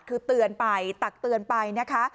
คือเตือนไปตักเตือนไปนะคะ